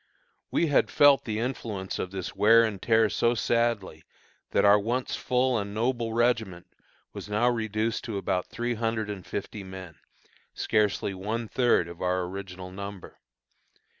We had felt the influence of this wear and tear so sadly, that our once full and noble regiment was now reduced to about three hundred and fifty men, scarcely one third of our original number.